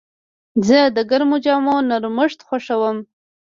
زه د ګرمو جامو نرمښت خوښوم.